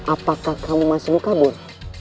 apakah kamu masih mau kabur